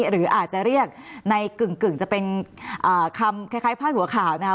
หรืออาจจะเรียกในกึ่งจะเป็นคำคล้ายพาดหัวข่าวนะคะ